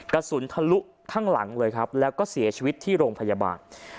กระสุนทะลุข้างหลังเลยครับแล้วก็เสียชีวิตที่โรงพยาบาล